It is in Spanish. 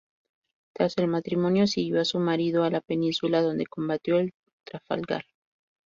Tras el matrimonio siguió a su marido a la península, donde combatió en Trafalgar.